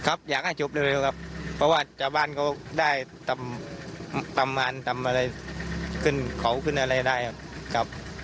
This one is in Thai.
ครับอยากให้จบเร็วครับเพราะว่าชาวบ้านเขาได้ตำนานตำอะไรขึ้นเขาขึ้นอะไรได้ครับ